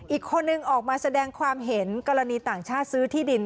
อีกคนนึงออกมาแสดงความเห็นกรณีต่างชาติซื้อที่ดิน